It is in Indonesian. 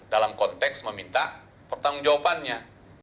dalam konteks meminta pertanggung jawabannya